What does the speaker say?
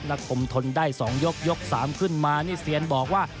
คมทนได้๒ยกยก๓ขึ้นมานี่เซียนบอกว่า